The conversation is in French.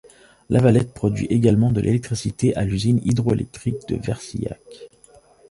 Lavalette produit également de l'électricité à l'usine hydro-électrique de Versilhac.